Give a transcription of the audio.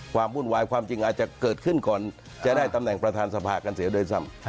วุ่นวายความจริงอาจจะเกิดขึ้นก่อนจะได้ตำแหน่งประธานสภากันเสียด้วยซ้ำ